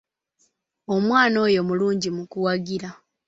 Omwana oyo mulungi mu kuwagira.